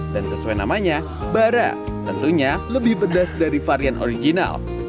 dan sesuai namanya bara tentunya lebih pedas dari varian original